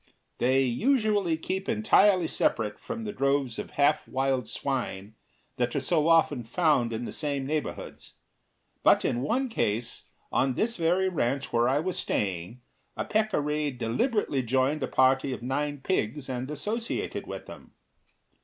They usually keep entirely separate from the droves of half wild swine that are so often found in the same neighborhoods; but in one case, on this very ranch where I was staying a peccary deliberately joined a party of nine pigs and associated with them.